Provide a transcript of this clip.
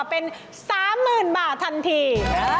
เป็น๓๐๐๐บาททันที